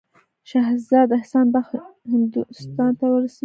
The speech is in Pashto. شهزاده احسان بخت هندوستان ته ورسیږي.